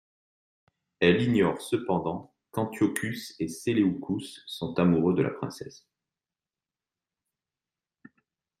Elle ignore cependant qu'Antiochus et Séleucus sont amoureux de la princesse.